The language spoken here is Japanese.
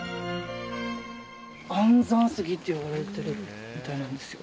安産杉っていわれてるみたいなんですよ。